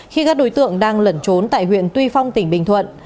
khi các đối tượng đang lẩn trốn tại huyện tuy phong tỉnh bình thuận